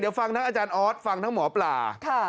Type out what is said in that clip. เดี๋ยวฟังทั้งอาจารย์ออสฟังทั้งหมอปลา